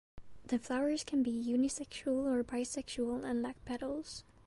The flowers can be unisexual or bisexual and lack petals.